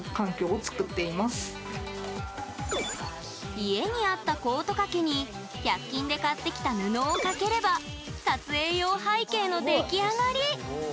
家にあったコートかけに１００均で買ってきた布をかければ撮影用背景の出来上がり。